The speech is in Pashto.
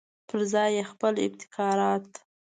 پرځای یې خپل ابتکارات.